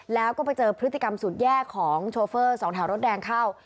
แล้วก็ไปเจอพฤติกรรมสุดแย่ของโชเฟอร์สองแถวรถแดงเข้า